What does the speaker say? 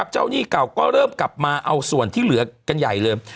หนี้เก่าก็เริ่มกลับมาเอาส่วนที่เหลือกันใหญ่เลย